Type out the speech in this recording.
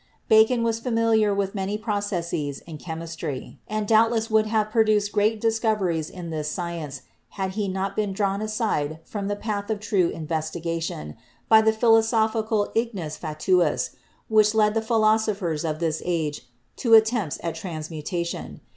Bacon was familiar with many processes in chemistry, 36 CHEMISTRY and doubtless would have produced great discoveries in this science had he not been drawn aside from the path of true investigation by the philosophical "ignus fatuus" which led the philosophers of this age to attempts at trans mutation.